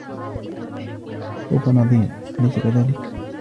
سوف نضيع ، أليس كذلك ؟